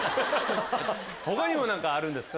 他にもあるんですか？